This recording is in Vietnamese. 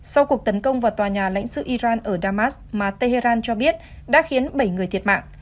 sau cuộc tấn công vào tòa nhà lãnh sự iran ở damas mà tehran cho biết đã khiến bảy người thiệt mạng